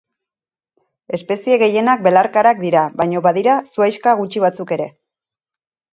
Espezie gehienak belarkarak dira baino badira zuhaixka gutxi batzuk ere.